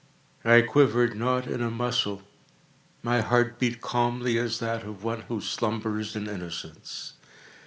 I quivered not in a muscle. My heart beat calmly as that of one who slumbers in innocence.